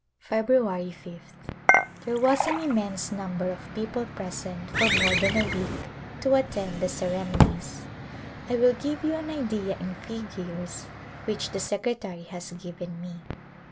February ^th. There was an immense number of people present for more than a week to attend the ceremonies. I will give you an Idea in figures which the secretary has given me.